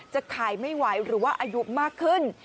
จะขายไม่ไหวหรือว่าอายุมากขึ้น